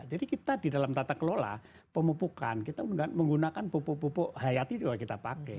jadi kita di dalam tata kelola pemupukan kita menggunakan pupuk pupuk hayati juga kita pakai